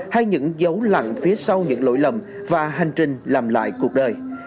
hay những dấu lặng phía sau những lỗi lầm và hành trình làm lại cuộc đời